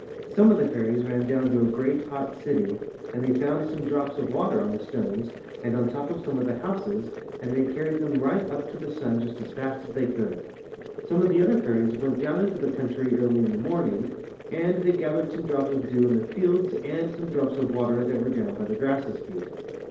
Some of the fairies ran down to a great, hot city and they found some drops of water On the stones and on top of (Some of the houses and they carried them right up to the sun just as fast as they could. Some of the other fairies went down into the country early in the morning and they 14 UP TO THE SKY AND BACK. gathered some drops of dew in the fields and some drops of water that were down by the grasses' feet.